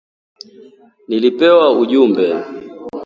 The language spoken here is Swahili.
nilipewa ujumbe